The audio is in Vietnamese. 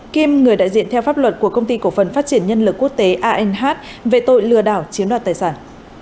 kiêm người đại diện theo pháp luật của công ty cổ phần phát triển nhân lực quốc tế anh về tội lừa đảo chiếm đoạt tài sản